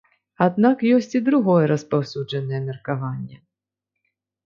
Аднак ёсць і другое распаўсюджанае меркаванне.